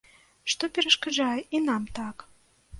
Што перашкаджае і нам так?